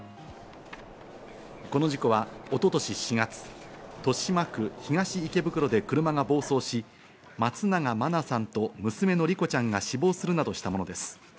この事故は一昨年、４月、豊島区東池袋で車が暴走し、松永真菜さんと娘の莉子ちゃんが死亡するなどしたものです。